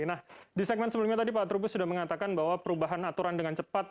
nah di segmen sebelumnya tadi pak trubus sudah mengatakan bahwa perubahan aturan dengan cepat